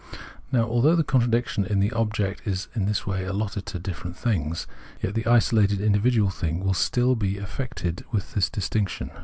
Now, although the contradiction in the object is in this way allotted to difierent things, yet the isolated individual thing will still be affected with distinction.